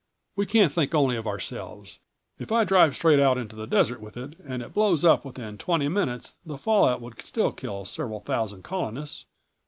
We can't think only of ourselves. If I drove straight out into the desert with it and it blows up within twenty minutes the fallout would still kill several thousand Colonists.